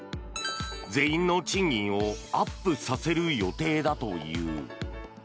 全員の賃金をアップさせる予定だという。